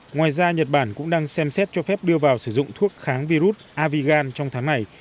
ngoài ra nhật bản cũng đang xem xét cho phép đưa vào sử dụng thuốc kháng virus avigan trong tháng này